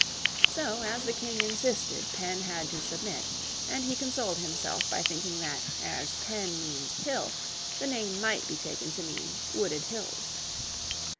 So as the King insisted Penn had to submit, and he consoled himself by thinking that as Penn means "hill" the name might be taken to mean Wooded Hills.